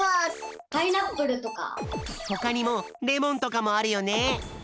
ほかにもレモンとかもあるよね。